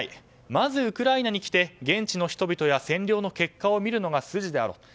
まずウクライナに来て現地の人々や占領の結果を見るのが筋であろうと。